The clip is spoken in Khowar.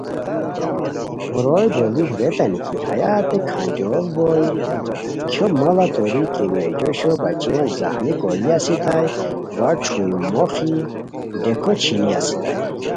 روئے لوڑی ریتانی کی ہیہ ہتے کھانجوڑ بوئے کھیو ماڑہ توری کیمیا جوشو بچین زخمی کی کوری استائے وا چھوئے موخی ڈیکو چھینی استائے